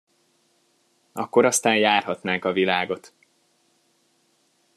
Akkor aztán járhatnák a világot!